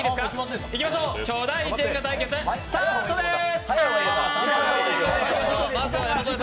いきましょう、巨大ジェンガ対決スタートです。